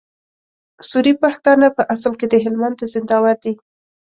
سوري پښتانه په اصل کي د هلمند د زينداور دي